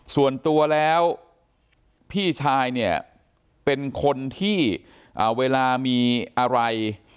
ส่วนตัวแล้วพี่ชายเนี่ยเป็นคนที่เวลามีอะไร